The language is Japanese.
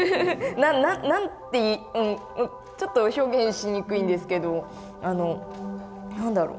何何何何てうんちょっと表現しにくいんですけど何だろう。